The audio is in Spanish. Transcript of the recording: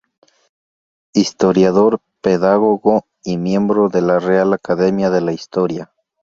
Historiador, pedagogo y miembro de la Real Academia de la Historia.